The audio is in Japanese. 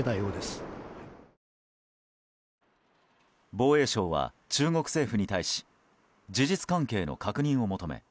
防衛省は中国政府に対し事実関係の確認を求め